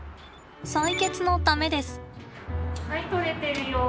採血のためです。